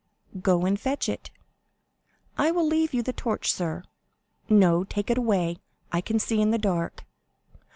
"Go and fetch it." "I will leave you the torch, sir." "No, take it away; I can see in the dark."